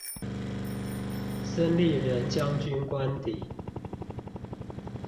孫立人將軍官邸